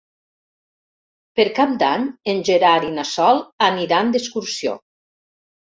Per Cap d'Any en Gerard i na Sol aniran d'excursió.